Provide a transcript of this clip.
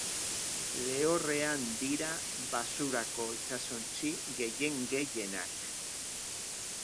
Lehorrean dira baxurako itsasontzi gehien gehienak.